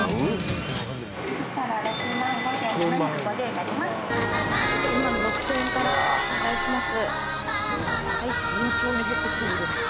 ６万６，０００円からお願いします。